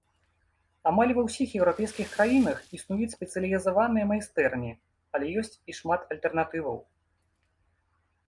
Амаль ва ўсіх еўрапейскіх краінах існуюць спецыялізаваныя майстэрні, але ёсць і шмат альтэрнатываў.